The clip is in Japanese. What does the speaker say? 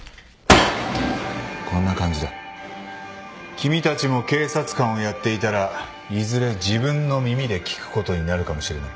君たちも警察官をやっていたらいずれ自分の耳で聞くことになるかもしれない。